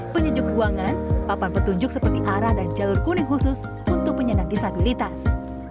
penyejuk ruangan papan petunjuk seperti arah dan jalur kuning khusus untuk penyandang disabilitas